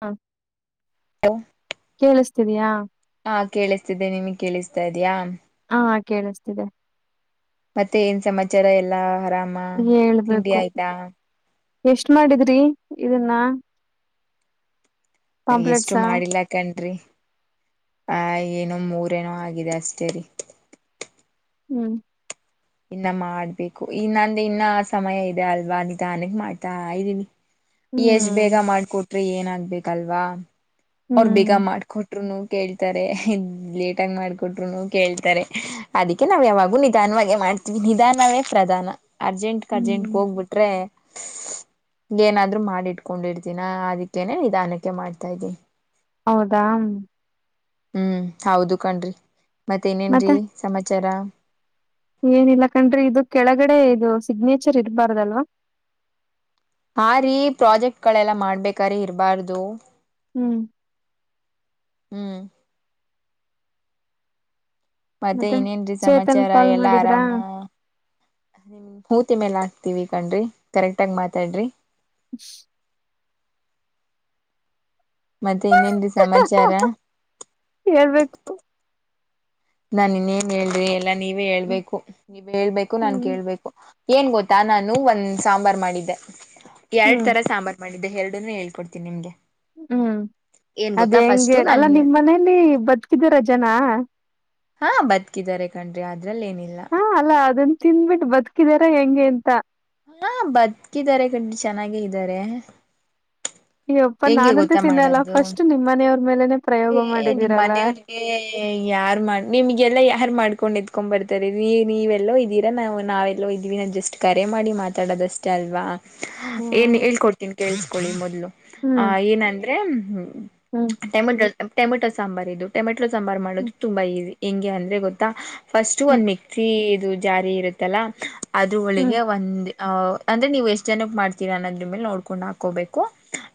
ಹಾ, [inaudible] ಕೇಳಿಸ್ತಿದೀಯಾ. ಹಾ ಕೇಳಿಸ್ತಿದ್ದೆ ನಿಮಗ್ ಕೇಳಿಸ್ತಾ ಇದಿಯಾ. ಹಾ ಕೇಳಿಸ್ತಿದೆ. ಮತ್ತೆ ಏನ್ ಸಮಾಚಾರ ಎಲ್ಲಾ ಆರಾ ಮ ತಿಂಡಿ ಆಯ್ತಾ. ಎಷ್ಟ ಮಾಡಿದ್ರಿ ಇದನ್ನ. ಎಷ್ಟು ಪಾಂಪ್ಲೆಟ್ಸಾ ಮಾಡಿಲ್ಲಾ ಕಣ್ರೀ. ಆ ಏನೋ ಮೂರೇನೋ ಆಗಿದೆ ಅಷ್ಟೇರಿ. ಹ್ಮ್. ಇನ್ನ ಮಾಡ್ಬೇಕು ಇ ನಂದ ಇನ್ನ ಸಮಯ ಇದೆ ಅಲ್ವಾ ನಿಧಾನಗ್ ಮಾಡ್ತಾ ಇದ್ದೀನಿ. ಎಷ್ಟ್ ಬೇಗ ಹ್ಮ್ ಮಾಡ್ಕೊಟ್ ರೆ ಏನಾಗ್ಬೇಕಲ್ವಾ. ಅವ್ರ ಹ್ಮ್ ಬೇಗ ಮಾಡಕೊಟ್ರುನು, ಕೇಳ್ತಾರೆ ಇದ್ ಲೇಟಗ ಮಾಡ್ಕೊಟ್ರುನು ಕೇಳ್ತಾರೆ ಅದಕ್ಕೆ ನಾವ್ ಯಾವಾಗ ನಿಧಾನವಾಗಿ ಮಾಡ್ ನಿಧಾನವೇ ಪ್ರಧಾನ. ಅರ್ಜೆಂಟ್ಗೆ ಹ್ಮ್ ಅರ್ಜೆಂಟ್ಗೆ ಹೋಗ್ಬಿಟ್ರೆ, ಏನಾದ್ರು ಮಾಡಿ ಇಟ್ಕೊಂಡಿರ್ತಿನ ಅದಕ್ಕೇನೇ ನಿಧಾನಕ್ಕೆ ಮಾಡ್ತಾ ಇದ್ದ ಹೌದಾ. ಹ್ಮ್ ಹೌದು ಕಣ್ರಿ. ಮತ್ತ ಇನೇನ್ರೀ ಮತ್ತೆ ಸಮಾಚಾರ. ಏನಿಲ್ಲ ಕಂಡ್ರಿ ಇದು ಕೆಳಗಡೆ ಇದು ಸಿಗ್ನೇಚರ್ ಇರಬಾರ್ದಲ್ವಾ, ಹ ರೀ ಪ್ರಾಜೆಕ್ಟ್ ಗಳೆಲ್ಲ ಮಾಡ್ಬೇಕ್ರೀ ಇರ್ಬಾರ್ದು. ಹ್ಮ್ ಹ್ಮ್ ಮತ್ತೆ ಇನ್ನೇನ್ರೀ ಚೇತನ್ ಸಮಾಚಾರ ಕಾಲ್ ಎಲ್ಲಾ ಮಾಡಿದ್ರಾ ಆರಾಮ ಮೂತಿ [unintelligible] ಮೇಲ್ಲ ತೀವಿ ಕಣ್ರಿ ಕರೆಕ್ಟ್ ಆಗಿ ಮಾತಾಡ್ರಿ [unintelligible] ಮತ್ತೆ ಇನ್ನೇನ್ರಿ ಸಮಾಚಾರ ಹೇಳ್ಬೇಕು ನಾನ್ ಇನ್ನೇನ್ ಹೇಳಿ ಎಲ್ಲ [unintelligible] ನೀವೇ ಹ್ಮ್ ಹೇಳ್ಬೇಕು ನೀವು ಹೇಳ್ಬೇಕು ನಾನ್ ಹ್ಮ್ ಕೇಳ್ಬೇಕು. ಏನ್ ಗೊತ್ತಾ ನಾನು ಒಂದ್ ಸಾಂಬಾರ್ ಮಾಡಿದ್ದೆ. ಎರಡ್ ಹ್ಮ್ ತರ ಸಾಂಬಾರ್ ಮಾಡಿ [unintelligible] ಇದು ಎರಡೂನು ಹೇಳ್ಕೊಡ್ತನಿ ನಿಮ್ಗೆ. ಹ್ಮ್ ಏನ್ ಅದ ಗೊತ್ತಾ ಫಸ್ಟು ಹೆಂಗೆ ಅಲ್ಲಾ ನನ್ಗೆ ನಿಮ್ ಮನೇಲಿ ಬದುಕಿದಾರಜನ. ಹಾ ಬದುಕಿದಿದ್ದಾರೆ ಕಣ್ರಿ ಅದ [unintelligible] ಅದ್ರಲ್ಲಿ ಏನಿಲ್ಲ. ಹಾ ಅಲ್ಲ ಅದನ್ನ ತಿಂದ್ಬಿಟ್ಟು ಬದುಕಿದಾರ ಹೆಂಗೆ ಅಂತ. ಹಾ ಬದಕಿದ್ದಾರೆ ಕನ್ [unintelligible] ಚೆನ್ನಾಗೇ ಇದ್ದಾರೆ. ಅಯ್ಯಪ್ಪ ಹೆಂಗೆ ನಾನಂತೂ ಗೊತ್ತಾ ತಿನ್ನಲ್ಲ ಮಾಡದು ಫಸ್ಟ್ ನಿಮ್ಮ್ ಮನೆಯವ್ರ ಮೇಲೆನೆ ಪ್ರಯೋಗ ಏ ನಿಮ್ಮ್ ಮಾಡಿದೀರಲ್ಲ. ಮನೆಯವ್ರಿಗೆ ಯಾರ್ ಮಾಡ ನಿಮ್ಗೆಲ್ಲ ಯಾರ್ ಮಾಡ [unintelligible] ಇತ್ಕೊಂಡು ಎತ್ಕೊಂಡ್ ಬರ್ತಾರೆ ನೀ ನೀವೆಲ್ಲೋ ಇದ್ದೀರಾ ನಾವು ನಾವೆಲ್ಲೋ ಇದ್ದೀವಿ ನಾ ಜಸ್ಟ್ ಕರೆ ಮಾಡಿ ಮಾತಾಡೋದಷ್ಟೇ ಅಲ್ವಾ. ಏನ್ ಹ್ಮ್ ಹೇಳ್ಕೊಡ್ತೀನಿ ಕೇಳಸ್ಕೊಳ್ಳಿ ಮೊದ್ಲು. ಆ ಹ್ಮ್ ಏನಂದ್ರೆ ಹ್ಮ ಹ್ಮ್ ಟೈಮ್ [unintelligible] ಟೆಮಟೋ ಸಾಂಬಾರ ಇದು ಟೆಮೆಟೊ [unintelligible] [unintelligible] ಟ್ ಸಾಂಬಾರ್ ಮಾಡುದುದು ತುಂಬಾ ಈಜಿ ಹೆಂಗೆ ಅಂದ್ರೆ ಗೊತ್ತಾ. ಫಸ್ಟ್ ಹ್ಮ್ ಒಂದ್ ಮಿಕ್ಸಿ [unintelligible] ಅದು ಜಾರಿ ಇರುತ್ತಲ್ಲ ಅದರ ಹ್ಮ್ ಒಳಗೆ ಒಂದೇ [unintelligible] ಅ ಅಂದ್ರೆ ನೀವು ಎಷ್ಟ್ ಜನಕ್ ಮಾಡ್ತೀರಾ ಅನ್ನೋದ್ರ ಮೇಲೆ ನೋಡ್ಕೊಂಡು ಹಾಕೋಬೇಕು.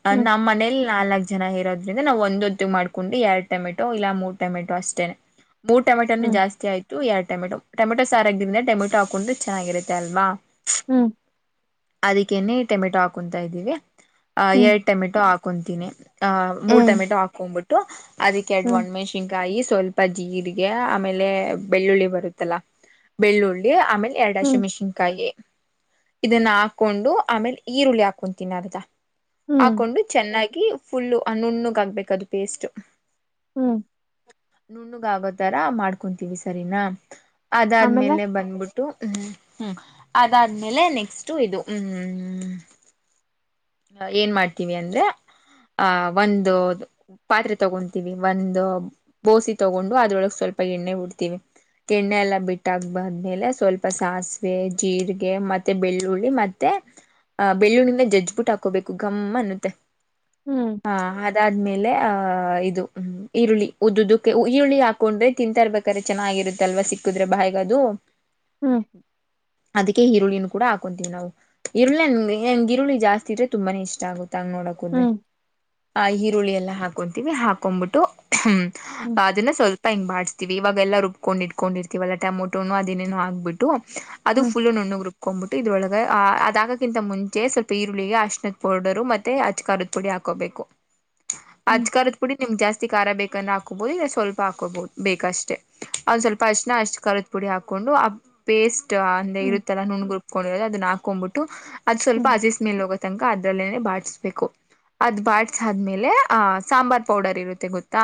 ಅ ಹ್ಮ್ ಹ್ಮ್ ನಮ್ಮ್ ಮನೇ [unintelligible] ನಾಲಕ್ ಜನ ಇರೋದ್ರಿಂದ ನಾವು ಒಂದೊತ್ತು ಮಾಡ್ಕೊಂಡು ಎರಡ್ ಟಮೆಟೊ ಇಲ್ಲ ಮೂರ್ ಟಮೆಟೊ ಅಷ್ಟೇನೆ. [unintelligible] ಮೂರ್ ಟಮೆಟೊನು ಹ್ಮ್ ಜಾಸ್ತಿ ಆಯ್ತು. [unintelligible] [unintelligible] ಎರಡ್ ಟಮೆಟೊ ಟಮಟೊ ಸಾರಾಗಿಲ್ಲ ಟೊಮೆಟೊ ಹಾಕೊಂಡು ಚೆನ್ನಾಗಿರುತ್ತೆ ಅಲ್ವಾ. ಹ್ಮ್ ಅದಕ್ಕೆನೆ ಟಮೆಟೊ ಹಾಕೊಂತಾ ಇದ್ದೀವಿ. ಆ ಎ ಹ್ಮ್ [unintelligible] ಟಮೆಟೋ ಹಾಕೊಂತೀನಿ. ಆ ಮೂರ್ ಟೊಮೆಟೊ ಹಾಕೊಂಬಿಟ್ಟು ಟು ಅದಕ್ಕೆೆ ಹ್ಮ್ ಡಡೋನಾ ಮೆಣಸಿನ ಕಾಯಿ ಸ್ವ ಸ್ವಲ್ಪ ಜೀರಿಗೆ ಆಮೇಲೆ ಬೆಳ್ಳುಳ್ಳಿ ಬರುತ್ತಲ್ಲ ಬೆಳ್ಳುಳ್ಳಿ ಆಮೇಲೆ ಎರಡ ಹಸಿ ಹ್ಮ್ ಮೆಣಸಿಕಾಯಿ. ಇದನ್ನ ಹಾಕೊಂಡು ಆಮೇಲೆ ಈರುಳ್ಳಿ ಹಾಕೊಂತೀನಿ ಅರ್ದ. ಹ್ಮ್ ಹಾಕೊಂಡು ಚೆನ್ನಾಗಿ ಫುಲ್ ನುಣ್ಣು ಆಗ್ಬೇಕು ಅದು ಪೇಸ್ಟ್ ಹ್ಮ್ ನುಣ್ಣಗ ಆಗೋತರ ಮಾಡ್ಕೊಂತೀವಿ ಸರಿನಾ ಆಮೇಲೆ ಅದಾದ್ಮೇಲೆ ಬಂದಬಿಟ್ಟು ಹ್ಮ್ ಹ್ಮ್ ಅದಾದ್ಮೇಲೆ ನೆಕ್ಸ್ಟ್ ಇದು ಹ್ಮ್ ಏನ್ ಮಾಡ್ತೀವಿ ಅಂದ್ರೆ ಆಹ ಒಂದು ಪಾತ್ರೆ ತಗೊಂತೀವಿ ಒಂದು ಬೋಸೆ ತಗೊಂಡು ಅದ್ರೊಳಗೆ ಸ್ವಲ್ಪ ಎಣ್ಣೆ ಬಿಡ್ತೀವಿ ಎಣ್ಣೆ ಎಲ್ಲಾ ಬಿಟ್ಟಾಕ್ ಬಾದ್ಮೇಲೆ ಸ್ವಲ್ಪ ಸಾಸಿವೆ ಜೀರಿಗೆ ಮತ್ತೆ ಬೆಳ್ಳುಳ್ಳಿ ಮತ್ತೆ ಅ ಬೆಳ್ಳುಳ್ಳಿಂದ ಜಜ್ಜಬಿಟ್ಟು ಹಾ ಕೋಬೇಕು ಗಮ್ಮ ಅನ್ನುತ್ತೆ ಹ್ಮ್ ಹಾ ಅದಾದ್ಮೇಲೆ ಆ ಆಹ ಇದುಮ ಈರುಳ್ಳಿ ಉದ್ದದಕ್ಕೆ ಈರುಳ್ಳಿ ಹಾಕೊಂಡೇ ತಿಂತಾಇರಬೇಕು ಆದ್ರೆ ಚೆನ್ನಾಗಿರುತ್ತಲ್ವಾ ಸಿಕ್ಕುದ್ರೆ ಬಾಯಿಗೇ ಅದು ಹ್ಮ್ ಅದಕೆ ಈರುಳ್ಳಿ ಕೂಡ ಹಾಕೊಂತೀವಿ ನಾವು ಈರುಳ್ಳಿ ಹೆಂಗ ಈರುಳ್ಳಿ ಜಾಸ್ತಿ ಇತ್ತೆ ತುಂಬಾನೇ ಇಷ್ಟ ಆಗುತ್ತೆ ತಂಗ್ ನೋಡಕ ಹೋದ್ರೆ ಹ್ಮ್ ಆ ಈರುಳ್ಳಿ ಎಲ್ಲ ಹಾಕೊಂತೀವಿ ಹಾಕೊಂಡ್ಬಿಟ್ಟು ಹ ಹ್ಮ್ ಅದನ್ನ ಸ್ವಲ್ಪ ಪ ಹಿಂಗೆ ಬಿಸಸ್ತೀವಿ ಇವಾಗಲ್ಲ ರುಬ್ಕೊಂಡ ಇಟ್ಕೊಂಡಿರ್ತೀವಲ್ಲಟಮೋಟೋನು ಅದೇನೇನೋ ಹಾಕ್ಬಿಟ್ಟು ಅದು ಹ್ಮ್ ಫುಲ್ ನುಣ್ಣುಗೆ ರುಬ್ಕೊಂಡ್ಂಬಿಟ್ಟು ಇದ್ರಳಗ ಅದಾಗಕ್ಕಿಂತ ಮುಂಚೆ ಸ್ವಲ್ಪ ಈರುಳ್ಳಿಗೆ ಅಷ್ಟು ತ್ ಪೌಡರು ಮತ್ತೆ ಅಚ್ಕಾರದ ಪುಡಿ ಹಾಕೋಬೇಕು ಹ್ಮ್ ಅಜ್ ದ ಪುಡಿ ನಿಮ್ಗ್ ಜಾಸ್ತಿ ಖಾರ ಬೇಕು ಚಕ್ಕನ್ ಹಾಕೋಬೋದು ಇಲ್ಲ ಸ್ವಲ್ಪ ಹಾಕೋಬೋದು ಬೇಕಷ್ಟೇ ಒಂದು ಸ್ವಲ್ಪ ಅರಿಶಿನ ಅಷ್ಟು ಕರದುಡಿ ಹಾಕಕ್ಕೊಂಡು ಆ ಪೇಸ್ಟ್ ಅಂದ ಹ್ಮ್ ಇರುತ್ತೆಲ್ಲ ನುಣ್ಣಗೆ ಕುುಬ್ಕೊಂಡಿರದು ಅದನಾ ಹಾಕ್ಬಿಟ್ಟು ಕೊಂಡ್ಂಬಿಟ್ಟು ಅದು ಸ್ವಲ್ಪ ಹ್ಮ್ ಅಜಸ್ ಮೇಲ್ ಹೋಗೆ ಅದ್ರಲ್ಲೇನೆ ಬಾಡ್ಸ್ಬೇಕು ಅದ್ ಬಾಡ್ಸಾದ್ಮೇಲೆ ಆಹ ಸಾಂಬಾರ್ ಪೌಡರ್ ಇರುತ್ತೆ ಗೊತ್ತಾ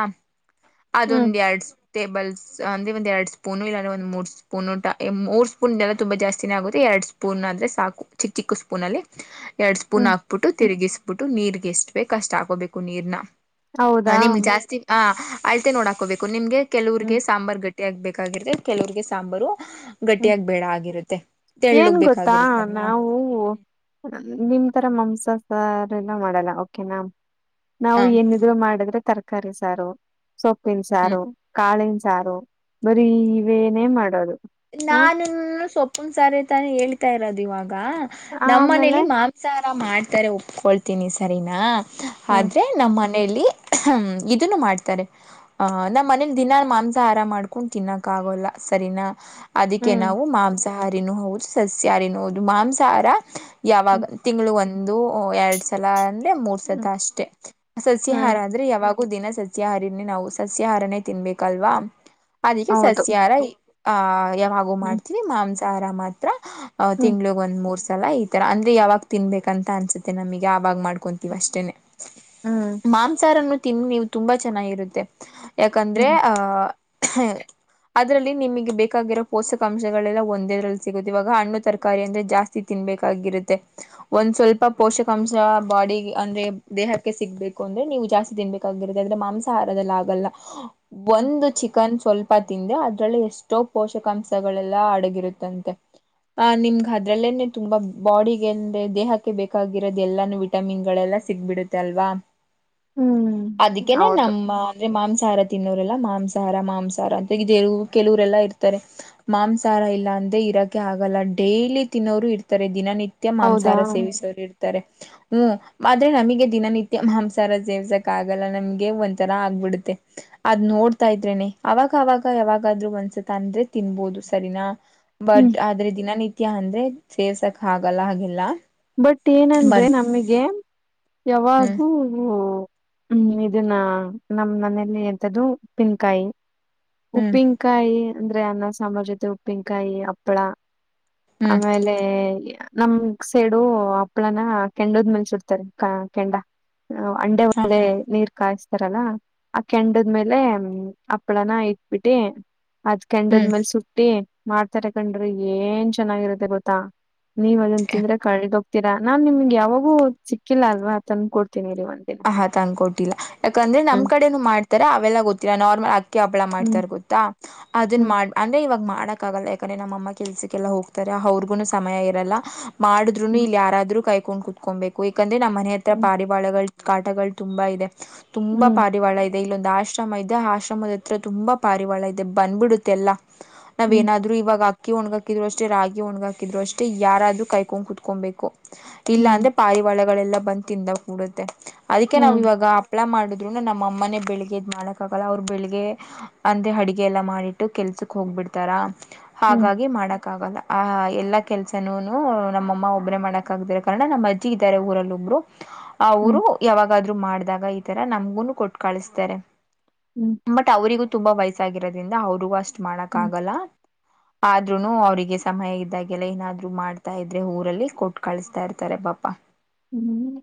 ಹ್ಮ್ ಅದೊಂದ ಎರಡ್ ಟೇಬಲ್ಸ್ ಅಂದರೆ ಒಂದು ಎರಡು ಸ್ಪೂನು ಇಲ್ಲಾಂದರೆ ಒಂದು ಮೂರು ಸ್ಪೂನು ಟ ಮೂರು ಸ್ಪೂನ್ದೆಲ್ಲ ತುಂಬಾ ಜಾಸ್ತಿನೇ ಆಗುತ್ತೆ ಎರಡು ಸ್ಪೂನ್ ಆದ್ರರೆ ಸಾಕು ಚಿಕ್ಕ ಚಿಕ್ಕ ಸ್ಪೂನಲ್ಲಿ ಎರಡು ಸ್ಪೂನ್ ಹ್ಮ್ ಹಾಬಿು ತಿರುಗಿಸಬಟ್ಟು ನೀರ್ಗೆ ಎಷ್ಟ ಬೇಕ ಅಷ್ಟ್ ಆಕೋಬೇಕು ನೀರ್ನ ಹೌದಾ ನಿಮ್ಗೆ ಜಾಸ್ತಿ ಆ ಅಐತೆ ನೋಡಾಕೋಬೇಕು ನಿಮ್ಗೆ ಕೆಲವರಿಗೆ ಹ್ಮ್ ಸಾಂಬಾರ್ ಗಟ್ಟಿ ಆಗ್ಬೇಕಾಗಿರುತ್ತೆ ಕೆಲವ್ರರಿಗೆ ಸಾಂಬಾರು ಹ್ಮ್ ಗಟ್ಟಿಯಾಗಿ ಬೇಡ ಆಗಿರುತ್ತೆ ಏನ್ ತೆಳ್ಳಗ್ ಗೊತ್ತಾ ಬೇಕಾಗಿರುತ್ತಲ್ವಾ ನಾವು ನಿಮ ಈ ತರ ಮಾಂಸ ಸಾರ ಎಲ್ಲ ಮಾಡಲ್ಲ ಕೆನಾ ನಾವು ಹ ಏನಿದ್ರು ಮಾಡಿದ್ರೆ ತರ್ಕ ಕ ಸಾರು ಸೊಪ್ಪಿಿಸಾರ ಹ್ಮ್ ಕಳಿ ಸಾರು ಬರೀ ಇವೇನೇ ಮಾಡೋದು ಹ ನಾನ ಸೊಪ್ಪನ್ ಸಾರಿ ತಾನೇ ಹೇಳ್ತಾ ಇರೋದು ಇವಾಗ ನಮ್ಮ ಆಮೇಲೆ ಮನಲಿ ಮಾಂಸಾಹ ಎಲ್ಲ ಮಾಡ್ತಾರೆ ಒಪ್ಕೊಳ್ತೀನಿ ಸರಿನಾ ಹ್ಮ್ ಆದ್ರೆ ನಮ್ಮ ಮನೆಯಲ್ಲಿ ಹ್ಮ ಇದನ್ನು ಮಾಡ್ತಾರೆ ಅಹ್ ನಮ್ಮ್ ಮನೇಲಿ ದಿನ ಮಾಂಸ ಆಾರಾಮ ಮಾಡ್ಕೊಂಡು ತಿನ್ನಕ ಆಗೋಲ್ಲ ಸರಿನಾ ಹ ಅದಕ್ಕೆ ಹ್ಮ್ ನಾವು ಮಾಂಸ ಸಹಾರಿನ ಹೌದು ಸಸ್ಯಹಾರಿನ ಹೌದು ಮಾಂಸಾಹಾರ ಯಾವಾಗ ಹ್ಮ್ ತಿಂಗಳು ಒಂದು ಒಂದು ಎರಡ್ ಸಲ ಅಂದ ಮೂರ್ ಸತ ಹ್ಮ್ ಅಷ್ಟೇ ಸಸ್ಯಹಾರ ಹ್ಮ್ ಅಂದ್ರೆ ಯಾವಾಗ ಹ ದಿನ ಸಸ್ಯಾಹಾರಿನೇ ನಾವು ಸಸ್ಯಾಾಹಾರನೇ ತಿನ್ಬೇಕಲ್ವಾ ಅದಕ್ಕೆ ಹೌದು ಸಸ್ಯಾರ ಹ ಹಾಗೋ ಹ್ಮ್ ಮಾಡ್ತೀವಿ ಮಾ್ಯಂಸ ತಾರ ಮಾತ್ರ ಹ್ಮ್ ತಿಂಗ್ಳಗ್ ಒಂದ್ ಮೂರ್ ಸ ಲ್ಲ ಈ ತರ ಅಂದ್ರೆ ಯಾವಾಗ ತಿನ್ಬೇಕ ಅಂತ ಅನ್ಸುತ್ತೆ ನಮಗೆ ಆಾಗ ಮಾಡ್ಕೊಂತೀವಿ ಅಷ್ಟೇನೆ ಹ್ಮ್ ಮಾಂಸಾರ ತಿನ್ ನೀವು ತುಂಬಾ ಚೆನ್ನಾಗಿರುತ್ತೆ ಯಾಕಂದ್ರೆ ಹ್ಮ್ ಆಹ ಹ ಅದ್ರಲ್ಲಿ ನಿಮಗೆ ಬೇಕಾಗಿರೋ ಪೋಷಕಾಂಶಗಳೆಲ್ಲ ಒಂದೇದ್ರಲ್ಲಿ ಸಿಗುತ್ತೆ ಇವಾಗ ಹಣ್ಣು ತರಕಾರಿ ಅಂದ್ರೆ ಜಾಸ್ತಿ ತಿನ್ಬೇಕಾಗಿರುತ್ತೆ ಒಂದ್ ಸ್ವಲ್ಪ ಪೋಷಕಾಂಶ ಬಾಡಿ ಅಂದ್ರೆ ದೇಹಕ್ಕೆ ಸಿಗ್ಬೇಕು ಅಂದ್ರೆ ನೀವು ಜಾಸ್ತಿ ತಿನ್ಬೇಕಾಗಿರುತ್ತೆ ಅ್ರೆ ಮಾಂಸಾಹಾರದಲ್ಲಿ ಆಗಲ್ಲ ಒಂದು ಚಿಕನ್ ಸ್ವಲ್ಪ ತಿಿಂದೆ ಅದರಲ್ಲಿ ಎಷ್ಟು ಸೋ ಪೋಷಕಾಂಶಗಳೆಲ್ಲಾ ಅಡಗಿರುತ್ತಂತೆ ಆಹ ನಿಮ್ಗೆ ಅದ್ರಲ್ಲೇನೆ ತುಂಬಾ ಬಾಡಿಗೆ ಅಂದ್ರೆ ದೇಹಕ್ಕೆ ಬೇಕಾಗಿರೋದು ಎಲ್ಲಾನು ವಿಟಮಿನ್ ಗಳೆಲ್ಲ ಸಿಗ್ಬಿಡುತ್ತೆ ಅಲ್ವಾ ಹ್ಮ್ ಅದಕ್ಕೇನೆ ಹೌದು ನಮ್ಮ ಅಂದ್ರೆ ಮಾಂಸ ಹಾರ ತಿನ್ನೋರೆಲ್ಲ ಮಾಂಸಾಹಾರ ಮಾಂಸಾಹಾರ ಅಂತ ಇದು ಏನು ಕೆಲವು ಲ್ಲ ಇರ್ತಾರೆ ಮಾಂಸಹಾರ ಇಲ್ಲ ಅಂದೆ ಇರಕೆ ಆಗಲ್ಲ ಡೇಲಿ ತಿನ್ನೋರು ಇರ್ತಾರೆ ದಿನನಿತ್ಯ ಸತ್ಯ ಹೌದಾ ಮಾಂಸಾರ ಸೇವಿಸುವರಿರ್ ತೆರೆ ಹ್ಮ ಆದ್ರೆ ನಮಗೆ ದಿನನಿತ್ಯ ಮಾಂಸಾರ ಜೇವ್ಸಕ್ ಆಗಲ್ಲ ನಮ್ಗೆ ಒಂಥರ ಆಗ್ಬಿಡುತ್ತೆ ಅದ್ ನೋಡ್ತಾ ಇದ್ರೇನೆ ಅವಾಗ ಅವಾಗ ಯಾವಾಗಾದೂರು ಒಂದ ತಂದ್ರೆ ತಿನ್ಬೋದು ಸರಿನಾ ಹ್ಮ್ ಬಟ್ ಆದ್ರೆ ದಿನನಿತ್ಯ ಅಂದ್ರೆ ಸೇರ್ಸಕ್ ಹಾಗಲ್ಲ ಹಾಗೆಲ್ಲ ಬಟ್ ಏನಂದ್ರೆ ಬಟ್ ನಮಗೆ ಹ್ಮ್ ಯಾವಾಗೂ ಹ್ಮ್ ಇದನ್ನ ನಮ್ ಮನೆಯಲ್ಲಿ ಎಂತದ್ದು ಪಿನ್ಕಾಯಿ ಹ್ಮ್ ಉಪ್ಪಿಿನಕಾಯಿ ಅಂದ್ರೆ ಅನ್ನ ಸಾಂಬಾರ್ ಜೊತೆ ಉಪ್ಪಿನಕಾಯಿ ಹಪ್ಪಳ ಹ್ಮ್ ಆಮೇಲೆ ನಮ್ ಸೇಡು ಹಪ್ಳನ ಕೆಂಡದ್ ಮೇಲ್ ಸುಡ್ತಾರೆ ಕೆಂಡ ಅಂಡೆ ಹ ಹ [unintelligible] ನೀರ್ ಕಾಯತು ರಲ್ಲ ಆ ಕೆಂಡದ್ಮೇಲೆ ಹಪ್ಳನ ಇಟ್ಬಿಟ್ಟಿ ಅದ್ ಹ್ಮ್ ಕೆಂಡದ್ಮೇಲೆ ಸುಟ್ಟಿ ಮಾಡ್ತಾರ ಕಂಡ್ರಿ ಏನ್ ಚೆನ್ನಾಗಿರತ್ತೆ ಗೊತ್ತಾ ನೀವ ತಿಂದ್ರಿ ಕಳಿ [unintelligible] ತೇರಾ ನಾನ್ ನಿಮ್ಗೆ ಯಾವಾಗೂ ಸಿಕ್ಕಿಲ್ಲ ಅಲ್ವಾ ತನ್ನ ಕೊಡ್ ಹ ಹಾ ತಂದ್ಕೊಟ್ಟಿಲ್ಲ ಯಾಕಂದ್ರೆ ನಮ್ ಹ್ಮ್ ಕಡೆನು ಮಾಡ್ತಾರ ಅವೆಲ್ಲಾ ಗೊತ್ತಿಲ್ಲ ನಾರ್ಮಲ್ ಅಕ್ಕಿ ಹಪ್ಪಳ ಹ್ಮ್ ಮಾಡ್ತಾರ ಗೊತ್ತಾ ಅದನ್ ಮಾಡ ಅಂದ್ರೆ ಇವಾಗ ಮಾಡ ಮಾಡಕ್ ಆಗಲ್ಲ ಯಾಕಂದ್ರೆ ನಮ್ಮಅಮ್ಮ ಕೆಲ್ಸಕ್ಕೆಲ್ಲ ಹೋಗ್ತಾರೆ ಅವ್ರಿಗುನು ಸಮಯ ಇರಲ್ಲ ಮಾಡೋರು ಹ್ಮ್ ಇಲ್ಲ ಯಾರಾದ್ರೂ ಕೈ ಕೊಂಡ್ ಕುತ್ಕೊಬೇಕು ಯಾಕಂದರೆ ನಮ್ಮ ಮನೆ ಹತ್ರ ಹ್ಮ್ ಪಾರಿಪಾಳಗಳು ಕಾಟಗಳು ತುಂಬಾ ಇದೆ ತುಂಬಾ ಹ್ಮ್ ಪಾರಿವಾಳ ಇದೆ ಇಲ್ಲೊಂದು ಆಶ್ರಮ ಇದೆ ಆ ಆಶ್ರಮದ ಹತ್ರ ತುಂಬಾ ಪಾರಿವಾಳ ಇದೆ ಬಂದ್ಬಿಡುತ್ತೆ ಎಲ್ಲಾ ನಾವ್ ಹ್ಮ್ ಏನಾದ್ರು ಇವಾಗ ಕಿ ಒಣಗಾಕಿದ್ರು ಅಷ್ಟೇ ರಾಗಿ ಒಣ್ ಹಾಕಿದ್ರು ಅಷ್ಟೇ ಯಾರಾದೂರು ಕೈಕೊಂಡ್ ಕುತ್ಕೊಬೇಕು ಇಲ್ಲಾ ಹ್ಮ್ ಅಂದ್ರೆ ಪಾಯಿ ಒಳಗ ಗಳೆಲ್ಲ ಬಂದ ತಿಂದ ಕೂಡುತ್ತೆ ಅದಕ್ಕೆ ನಾವವು ಹ್ಮ್ ಇವಾಗ ಅಪ್ಲೈ ಮಾಡುದು ಆದ್ರೂ ನಮ್ಮ ಅಮ್ಮನೇ ಬೆಳಿಗ್ಗೆದ್ ಮಾಡಕ ಆಗಲ್ಲ ಅವ್ರು ಬೆಳಿಗ್ಗೆ ಅಂದೆ ಅಡುಗೆ ಎಲ್ಲ ಮಾಡಿಟ್ಟು ಕೆಲ್ಸಕ್ ಹೋಗ್ಬಿಡ್ತಾರ ಹ್ಮ್ ಹಾಗಾಗಿ ಮಾಡಕ್ ಕ್ಕ ಆಗಲ್ಲ ಆ್ ಎಲ್ಲ ಕೆಲಸನೂ ನಮ್ಮಮ್ಮ ಒಬ್ಬರೇ ಮಾಡಕ ಆಾಗಾರೆ ಕಾರಣ ನಮ್ಮ ಅಜ್ಜಿ ಇದ್ದಾರೆ ಊರಲ್ಲಿ ಒಬ್ಬರು ಆ ಹ್ಮ್ ಊರು ಯಾಗಾದ್ರು ಮಾಡ್ದಾಗ ಈತರ ನಮ್ಗುನು ಕೊಟ್ ಕಳಿಸ್ತಾರೆ ಹ್ಮ್ ಹ್ಮ್ ಹ್ಮ್ ಬಟ್ ಅವರಿಗೂ ತುಂಬಾ ವಯಸ್ಸಾಗಿರೋದಿಂದ ಅವ್ರಗೂ ಅಷ್ಟು ಮಾಡಕ್ ಆಗಲ್ಲ ಆದ್ರೂನು ಅವರಿಗೆ ಸಮಯ ಇದ್ದಾಗೆಲ್ಲ ಏನಾದ್ರರು ಮಾಡ್ತಾ ಇದ್ರೆ ಊರಲ್ಲಿ ಕೋಟ್ ಕಳಿಸತಾ ಇರ್ತಾರೆ ಪಾಪಾ ಹ್ಮ್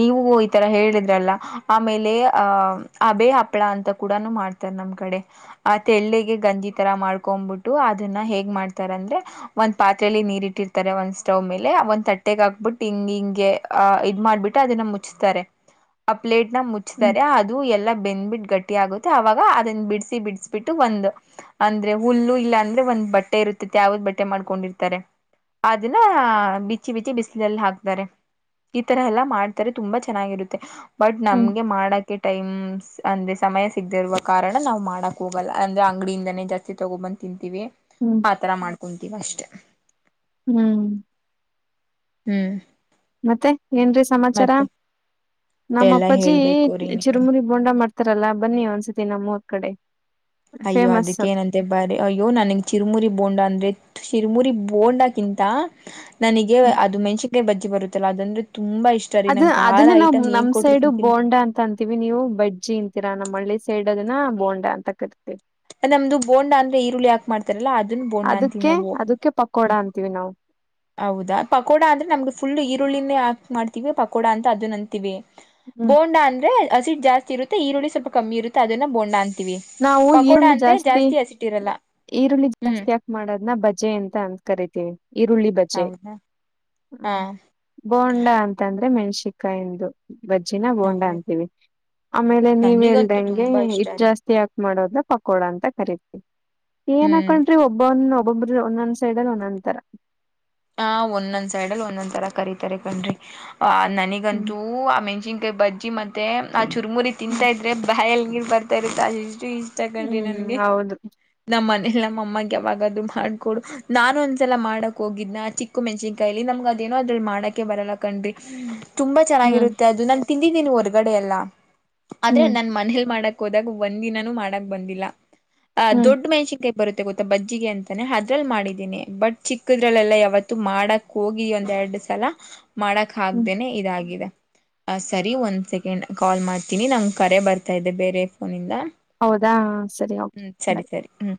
ನೀವು ಈ ತರ ಹೇಳಿದ್ರಲ್ಲ ಆಮೇಲೆ ಅಹ ಅಬೆ ಹಪ್ಳ ಅಂತ ಕೂಡ ಮಾಡ್ತಾರ ನಮ್ ಕಡೆ ಆ ತೆಳ್ಳಗೆ ಗಂಜಿ ತರ ಮಾಡ್ಕೊ್ಬಿಟ್ಟು ಅದನ್ನ ಹೇಗ್ ಮಾಡ್ತಾರ ಅಂದ್ರೆ ಒಂದ್ ಪಾತ್ರೆಯಲ್ಲಿ ನೀರಿ ಇಟ್ಟಿರ್ತಾರೆ ಒಂದ್ ಸ್ಟವ್ ಮೇಲೆ ಒಂದ್ ತಟ್ಟೆಗ ಹಾಕ್ಬಿಟ್ಟು ಹಿಂಗ್ ಹಿಂಗೆ ಅ್ ಇದ್ ಮಾಡ್ಬಿಟ್ಟ ಅದನ್ನ ಮುಚ್ಚತಾರೆ ಆ ಪ್ಲೇಟ್ ಹ್ಮ್ ಮುಚ್ತಾರೆ ಅದು ಎಲ್ಲ ಬೆಂದ್ಬಿಟ್ಟು ಗಟ್ಟಿ ಆಗುತ್ತೆ ಅವಾಗ ಅದನ್ನ ಬಿಡಿಸಿಿ ಬಿಡಿಸಬಿಟ್ಟು ಒಂದ ಅಂದ್ರೆ ಹುಲ್ಲು ಇಲ್ಲ ಅಂದ್ರೆ ಒಂದ್ ಬಟ್ಟೆ ಇರುತ್ತ ಯಾವದ್ ಬಟ್ಟೆ ಮಾಡ್ಕೊಂಡಿರ್ತಾರೆ ಅದನ್ನ ಬಿಚ್ಚಿ ಬಿಚ್ಚಿ ಬಿಸಿಲಲ್ಲಿ ಹಾಕ್ತಾರೆ ಈ ತರ ಎಲ್ಲ ಮಾಡ ತುಂಬಾ ಚೆನ್ನಾಗಿರುತ್ತೆ ಬಟ್ ಹ್ಮ್ ನಮ್ಗೆ ಮಾಡೋಕ ಟೈಮ್ ಅಂದೆ ಸಮಯ ಸಿಗದಿರುವ ಕಾರಣ ನಾವು ಮಾಡಕ್ ಹೋಗಲ್ಲ ಅಂದ್ರೆ ಅಂಗಡಿಯಿಂದನೇ ಜಾಸ್ತಿ ತಗೊಬಂದು ತಿಂತ ಹ್ಮ್ ಆ ತರ ಮಾಡ್ಕೊಂತೀವ ಅಷ್ಟೆ ಹ್ಮ್ ಹ್ಮ್ ಮತ್ತೆ ಏನ್ ರೀ ಸಮಾಚಾರ ಮತ್ತೆ ನಮ್ಮ ಎಲ್ಲಾ ಅಪ್ಪಾಜಿ ಹೇಳ್ಬೇಕು ರೀ ನೀವೇ ಚಿರುಮುರಿ ಬೋಂಡಾ ಮಾಡ್ತ ಹತ್ರಲ್ಲ ಬನ್ನಿ ಒಂದ್ಸತಿ ನಮ್ಮೂರ್ ಕಡೆ ಅಯ್ಯೋ ಫೇಮಸ್ ಅದಕ್ಕ ಏನಂತೆ ಬರ ಅಯ್ಯೋ ನನಗ್ ಚಿರುಮುರಿ ಬೋಂಡ ಅಂದ್ರೆ ಶಿರ್ಮುರಿ ಬೋಂಡಕಿಂತ ನನಗೆ ಅದು ಮೆಣಸನ್ಕಾಯಿ ಬಜ್ಜಿ ಬರುತ್ತೆ ಚ ಅದಂತೂ ಅದ ಅದನ್ನ ನಾವ್ ನಮ್ ಕೊಟ್ಟರು ಸೈಡ್ ತಿಂತೀನಿ ಬೋಂಡಾ ಅಂತ ಅಂತೀವಿ ನೀವು ಬಜ್ಜಿ ಇಂತೀರಾ ನಮ್ಮ್ ಹಳ್ಳಿ ಸೈಡ್ ದನ ಬೋಂಡ್ ಅಂತಕ್ಕದ ನಮ್ದು ಬೋಂಡಾ ಅಂದ್ರೆ ಈರುಳ್ಳಿ ಯಾಕ ಮಾಡ್ತಾರಲ್ಲ ಅದನ್ನ ಬೋಂಡಾ ಅಂತೀವಿ್ ಅದಕ್ಕೆ ನಾವು ಅದಕ್ಕೆ ಪಕೋಡ ಹ್ಮ ಅಂತೀವಿ ನಾವು ಹೌದಾ ಪಕೋಡ ಅ್ರೆಮ್ಗೆ ಫುಲ್ ಈರುಳ್ಳಿನೇ ಹಾಕ್ ಮಾಡ್ತೀವಿ ಪಕೋಡ ಅಂತ ಅದ ಅಂತೀವಿ ಹ್ಮ್ ಬೋಂಡಾ ಅಂದ್ರೆ ಅಸಿಡ್ ಜಾಸ್ತಿರುತ್ತೆ ಈರುಳ್ಳ ಸ್ವಲ್ಪ ಕಮ್ಮಿ ಇರುತ್ತೆ ಅದನ್ನ ಬೋಣ್ಣ ಅಂತ ನಾವು ಈರುಳ್ಳಿ ಜಾಸ್ತಿ ಹಸಿಟ್ಟಿರಲ್ಲ ಈರುಳ್ಳಿ ಹ್ಞೂ ಜಾಸ್ತಿ ಯಾಕ್ ಮಾಡದ್ನ ಬಜ್ಜಿ ಅಂತ ಅಂತ ಕರಿತೀವಿ ಈರುಳ್ಳಿ ಬಜೆ ಹೌದಾ ಹ ಹಾಂ ಬೋಂಡ ಅಂತಂದ್ರೆ ಮೆಣ್ಸಿಕ್ ಕಾಯಂದು ಬಜ್ಜಿನ ಬೋಂಡ ಹೌದು ಅಂತೀವಿ ಆಮೇಲೆ ನೀವ್ ನನಗಂತೂ ಹೆಲ್ದಂಗೆ ತುಂಬ ಇ ಇಷ್ಟ ರೀ ಜಾಸ್ತಿ ತ್ಯ ಹಾಕಿ ಮಾಡೋಡ್ನ್ ಪಕೋಡ ಅಂತ ಕರೀತಿವಿ ಏನ್ ಹ್ಞೂ ಹಾಕೊಂಡ್ರಿ ಒಬ್ಬನ್ನ ಒಬ್ ಒಬ ಒಂದೊಂದ್ ಸೈಡ್ ಅಲ್ಲಿ ಒಂದೊಂದ ತರ ಹ ಒಂದೊಂದ್ ಸೈಡ್ ಅಲ್ಲಿ ಒಂದೊಂದ್ ತರ ಕರೀತಾರೆ ಕಣ್ರಿ ಆ ಹ್ಮ್ ನನಗಂತೂ ಆ ಮೆಣ್ಸಿನ್ಕಾಯಿ ಬಜ್ಜಿ ಮತ್ತ [inaudible] ಚುರ್ಮುರಿ ತಿಂತಾ ಹ್ಮ್ ಇದ್ರೆ ಬಾಯ ನೀರು ಬರ್ತ ಇರುತ್ತ ಈ ಹ್ಮ್ ಹೌದು ನಮ್ಮ್ ಮನೇಲಿ ನಮ್ಮಅಮ್ಮಗೆ ಯಾವಾಗದುೂ ಮಾಡಕೊಡು ನಾನು ಒಂದ್ಸಲ ಮಾಡಕ್ ಹೋಗಿದ್ನ ಚಿಕ್ಕು ಮೆಣ್ಸಿನ್ಕಾಯಿಲಿ ನಮ್ಗ ಅದೇನೋ ಅದ್ರಲ್ಲಿ ಮಾಡಕೆ ಬರಲ್ಲ ಕಣ್ರಿ ತುಂಬಾ ಹ್ಮ್ ಚೆನ್ನಾಗಿರುತ್ತೆ ಅದು ನನ್ನ ತಿಂದಿದ್ದೀ ನೀ ಹೊರ್ಗಡೆ ಎಲ್ಲ ಆದ್ರೆ ಹ್ಮ್ ನನ್ ಮನೇಲ್ ಮಾಡಕ್ ಹೋದಾಗ ಒಂದ್ ದಿನಾನೂ ಮಾಡಕ್ ಬಂದಿಲ್ಲ ಆ ಹ್ಮ್ ದೊಡ್ ಮೆಣಸಿನಕಾಯಿ ಬರುತ್ತೆ ಗೊತ್ತ ಬಜ್ಜಿಗೆ ಅಂತಾನೆ ಅದ್ರಲ್ ಮಾಡಿದ್ದೀನಿ ಬಟ್ ಚಿಕ್ಕದ್ರಲ್ಲೆಲ್ಲ ಯಾವತ್ತುೂ ಮಾಡಕ್ ಹೋಗಿ ಒಂದೆರಡ್ ಸಲ ಮಾಡಕ್ ಹ್ಮ್ ಹಾಕ್ದೇನೆ ಇದಾಗಿದೆ ಅ ಸರಿ ಒಂದ್ ಸೆಕೆಂಡ್ ಕಾಲ್ ಮಾಡ್ತೀನಿ ನಮ್ಗೆ ಕರೆ ಬರ್ತಾ ಇದೆ ಬೇರೆ ಫೋನಿಂದ ಹೌದಾ ಸರಿ ಹ ಹ್ಮ್ ಸರಿ ಸರಿ ಹ್ಮ್